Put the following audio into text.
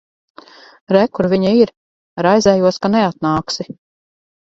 Re, kur viņa ir. Raizējos, ka neatnāksi.